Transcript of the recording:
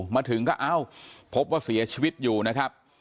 มาถึงก็เอ้าพบว่าเสียชีวิตอยู่นะครับ